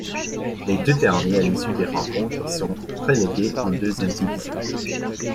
Les deux derniers à l'issue des rencontres sont relégués en deuxième division.